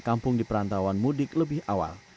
kampung di perantauan mudik lebih awal